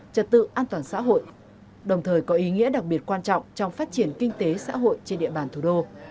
trật tự an toàn xã hội đồng thời có ý nghĩa đặc biệt quan trọng trong phát triển kinh tế xã hội trên địa bàn thủ đô